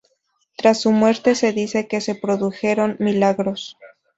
Tras su muerte se dice que se produjeron milagros.